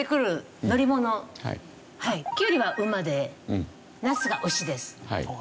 キュウリは馬でナスが牛です。